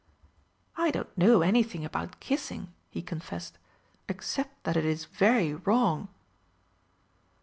"I do not know anything about kissing," he confessed, "except that it is very wrong."